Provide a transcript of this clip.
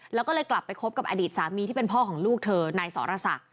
แล้วก็เลยกลับไปคบกับอดีตสามีที่เป็นพ่อของลูกเธอนายสรศักดิ